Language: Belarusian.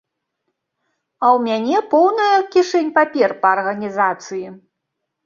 А ў мяне поўная кішэнь папер па арганізацыі.